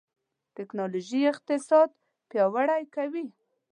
ټکنالوژي اقتصاد پیاوړی کوي.